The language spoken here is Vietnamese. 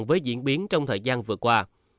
với diễn biến trong thời gian vừa qua